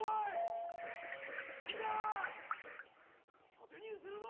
突入するぞ！